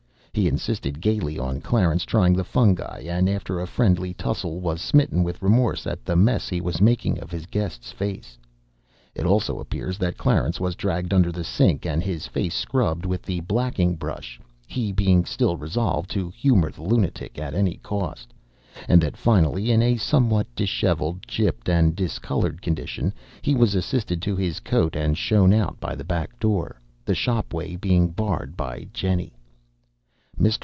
He insisted gaily on Clarence trying the fungi, and, after a friendly tussle, was smitten with remorse at the mess he was making of his guest's face. It also appears that Clarence was dragged under the sink and his face scrubbed with the blacking brush he being still resolved to humour the lunatic at any cost and that finally, in a somewhat dishevelled, chipped, and discoloured condition, he was assisted to his coat and shown out by the back door, the shopway being barred by Jennie. Mr.